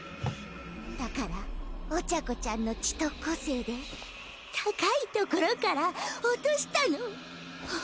だからお茶子ちゃんの血と個性で高いところから落としたの。